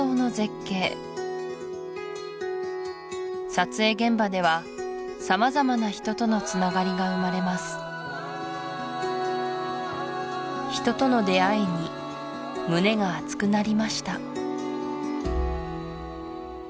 撮影現場ではさまざまな人とのつながりが生まれます人との出会いに胸が熱くなりました